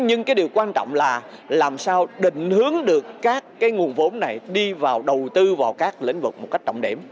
nhưng cái điều quan trọng là làm sao định hướng được các cái nguồn vốn này đi vào đầu tư vào các lĩnh vực một cách trọng điểm